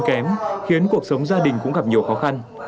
kém khiến cuộc sống gia đình cũng gặp nhiều khó khăn